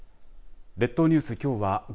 列島ニュース